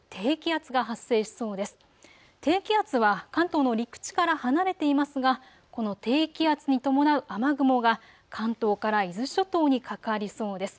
低気圧は関東の陸地から離れていますがこの低気圧に伴う雨雲が関東から伊豆諸島にかかりそうです。